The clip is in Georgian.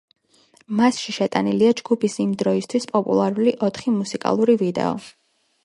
მასში შეტანილია ჯგუფის იმ დროისთვის პოპულარული ოთხი მუსიკალური ვიდეო.